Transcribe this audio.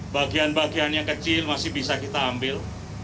bagian bagian yang kecil masih bisa kita ambil